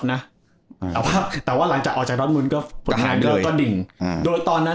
อ่าอ่าแต่ว่าหลังจากออกจากก็ดิ่งอ่าโดยตอนนั้น